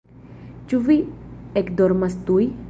Ĉu vi ekdormas tuj?